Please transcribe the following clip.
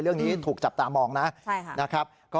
ร่วมนี้ถูกจับตามองนะ